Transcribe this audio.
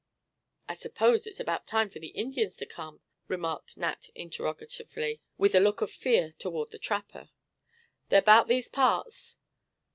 "I suppose it's about time for the Indians to come?" remarked Nat interrogatively, with a look of fear toward the trapper. "They're 'bout these parts.